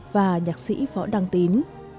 và nhạc sĩ võ đăng tín